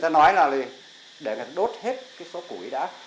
như người ta nói là để đốt hết cái số củi đã